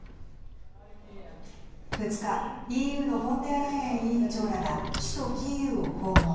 ２日、ＥＵのフォンデアライエン委員長らが首都キーウを訪問。